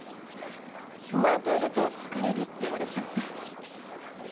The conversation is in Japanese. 「お前といると疲れる」って言われちゃって。